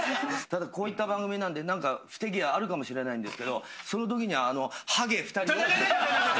ただ、こういった番組なので不手際あるかもしれないんですけどその時には、ハゲ２人が。